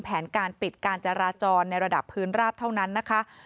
แผนการปิดการจราจรในระดับพื้นราบเท่านั้นนะคะ